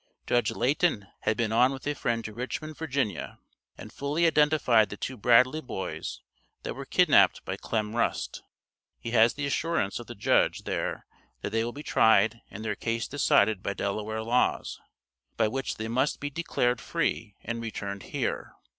Judge Layton has been on with a friend to Richmond, Virginia, and fully identified the two Bradley boys that were kidnapped by Clem Rust. He has the assurance of the Judge there that they will be tried and their case decided by Delaware Laws, by which they must be declared free and returned here.